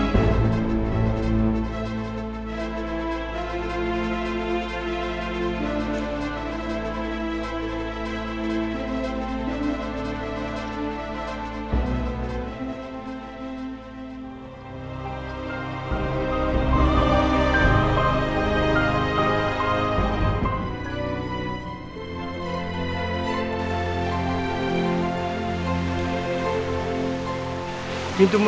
seperti makanan bagi kita